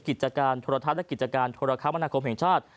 กิจการโทรทัศน์และกิจการโทรคมนาคมแห่งชาติ